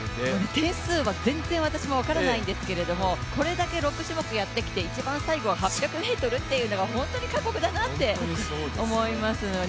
点数は全然分からないんですけどこれだけ６種目やってきて、一番最後は８００ｍだというのが本当に過酷だなって思いますよね。